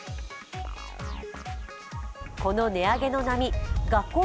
この値上げの波、学校